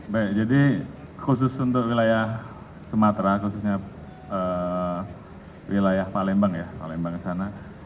baik jadi khusus untuk wilayah sumatera khususnya wilayah palembang ya palembang sana